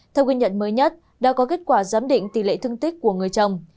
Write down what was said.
theo ghi nhận mới nhất đã có kết quả giám định tỷ lệ thương tích của người chồng